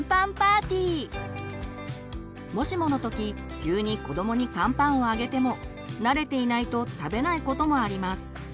もしもの時急に子どもにカンパンをあげても慣れていないと食べないこともあります。